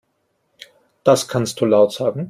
Das kannst du laut sagen.